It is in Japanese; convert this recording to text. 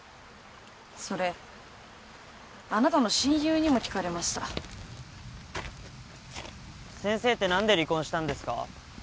それあなたの親友にも聞かれました先生って何で離婚したんですか？